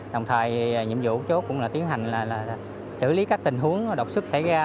đồng thời nhiệm vụ chốt cũng là tiến hành là xử lý các tình huống độc sức xảy ra